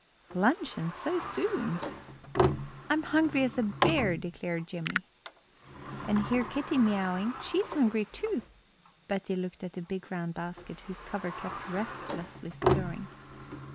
"Luncheon so soon!" "I'm as hungry as a bear," declared Jimmie. "And hear Kitty mewing; she's hungry, too." Betty looked at the big round basket, whose cover kept restlessly stirring.